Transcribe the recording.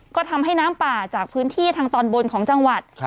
ก็ทำให้น้ำป่าจากพื้นที่ทางตอนบนของจังหวัด